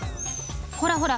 ほらほら！